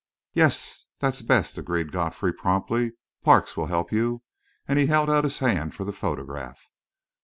"Yes, that's best," agreed Godfrey promptly. "Parks will help you," and he held out his hand for the photograph.